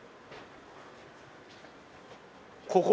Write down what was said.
ここ？